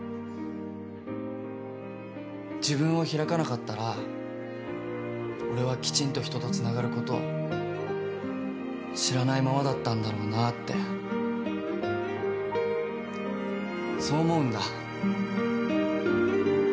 自分を開かなかったら俺はきちんと人とつながることを知らないままだったんだろうなってそう思うんだ。